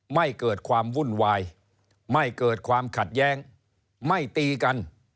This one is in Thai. ไม่เกิดความวุ่นวายไม่เกิดความขัดแย้งไม่ตีกัน